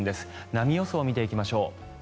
波予想を見ていきましょう。